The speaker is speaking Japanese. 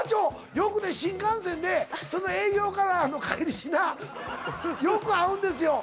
よく新幹線でその営業からの帰りしなよく会うんですよ